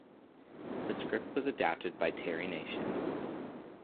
The script was adapted by Terry Nation.